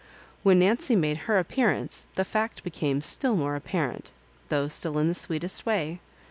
When Nancy made her appearance the fact became still more apparent, though still in the sweetest way.